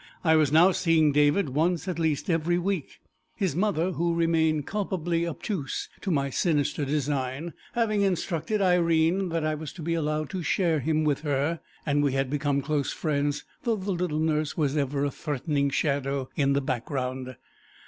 I was now seeing David once at least every week, his mother, who remained culpably obtuse to my sinister design, having instructed Irene that I was to be allowed to share him with her, and we had become close friends, though the little nurse was ever a threatening shadow in the background.